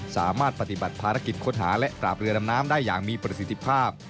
สามารถปฏิบัติภารกิจค้นหาและกราบเรือดำน้ำได้อย่างมีประสิทธิภาพ